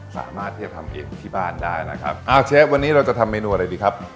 สามารถที่จะทำเองที่บ้านได้นะครับอ้าวเชฟวันนี้เราจะทำเมนูอะไรดีครับ